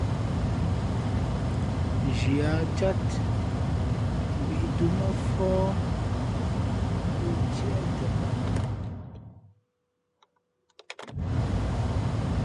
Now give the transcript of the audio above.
Nzhi a cát , mbǐtūmά fōh kō tiê tαʼ.